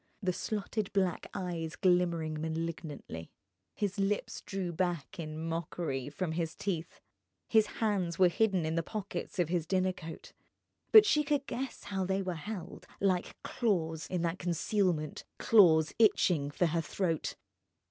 The slotted black eyes glimmered malignantly. His lips drew back in mockery from his teeth. His hands were hidden in the pockets of his dinner coat; but she could guess how they were held, like claws, in that concealment, claws itching for her throat.